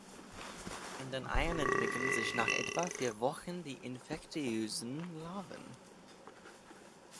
In den Eiern entwickeln sich nach etwa vier Wochen die infektiösen Larven.